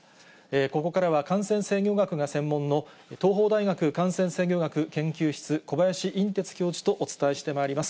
ここからは感染制御学が専門の東邦大学感染制御学研究室、小林寅てつ教授とお伝えしてまいります。